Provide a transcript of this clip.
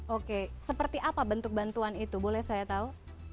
oke seperti apa bentuk bantuan itu boleh saya tahu